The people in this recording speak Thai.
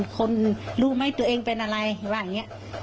คุณรู้หมะตัวเองเป็นอะไร